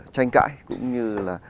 tranh cãi cũng như là